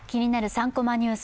３コマニュース」